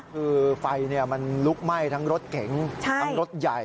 คือไฟมันลุกไหม้ทั้งรถเก๋งทั้งรถใหญ่